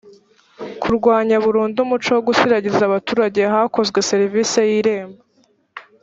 kurwanya burundu umuco wo gusiragiza abaturage hakozwe serivisi y’irembo .